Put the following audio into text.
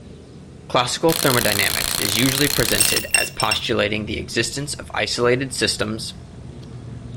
Classical thermodynamics is usually presented as postulating the existence of isolated systems.